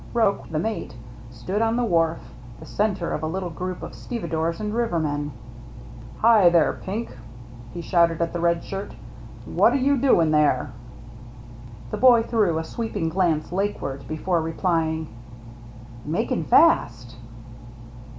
Roche, the mate, stood on the wharf, the centre of a little group of stevedores and rivermen. " Hi there. Pink," he shouted at the red shirt, "what you doin' there?" The boy threw a sweeping glance lake ward before replying, " Makin' fast."